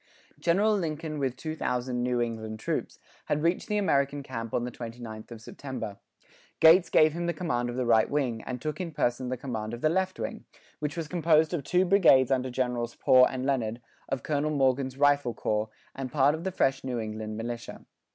General Lincoln with 2,000 New England troops, had reached the American camp on the 29th of September. Gates gave him the command of the right wing, and took in person the command of the left wing, which was composed of two brigades under Generals Poor and Leonard, of Colonel Morgan's rifle corps, and part of the fresh New England Militia.